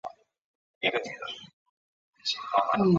阿根廷是一个总统制和联邦制民主共和国。